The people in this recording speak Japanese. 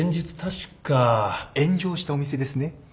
炎上したお店ですね。